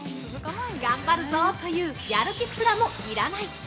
頑張るぞというやる気すらもいらない。